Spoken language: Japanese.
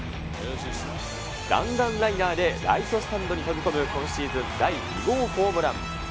弾丸ライナーでライトスタンドに飛び込む、今シーズン第２号ホームラン。